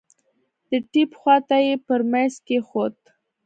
د ټېپ خوا ته يې پر ميز کښېښود.